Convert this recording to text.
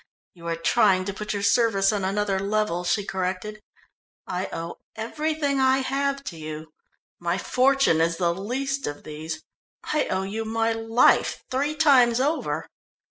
"You are trying to put your service on another level," she corrected. "I owe everything I have to you. My fortune is the least of these. I owe you my life three times over."